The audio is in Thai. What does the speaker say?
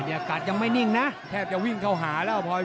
มั่นใจว่าจะได้แชมป์ไปพลาดโดนในยกที่สามครับเจอหุ้กขวาตามสัญชาตยานหล่นเลยครับ